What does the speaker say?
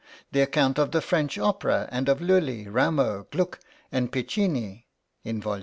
the account of the French Opera, and of Lully, Rameau, Gluck, and Piccinni, in Vol.